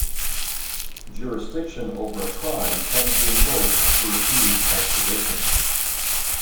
Jurisdiction over a crime can be invoked to refuse extradition.